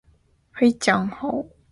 我的应援棒怎么变成复合弓了？